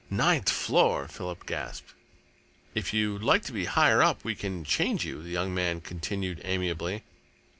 "Ninth floor!" Philip gasped. "If you'd like to be higher up we can change you," the young man continued amiably.